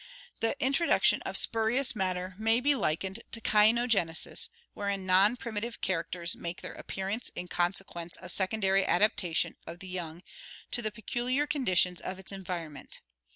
The introduction of spurious matter may be likened to caenogenesis (Gr. /coiwfe, recent), wherein non primitive characters make their appearance in consequence of secondary adaptation of the young to the peculiar conditions of its environment.